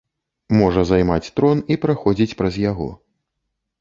Можа займаць трон і праходзіць праз яго.